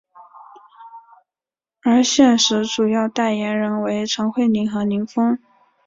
而现时主要代言人为陈慧琳和林峰。